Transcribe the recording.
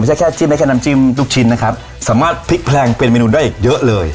แค่จิ้มได้แค่น้ำจิ้มลูกชิ้นนะครับสามารถพลิกแพลงเป็นเมนูได้เยอะเลย